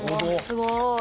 すごい。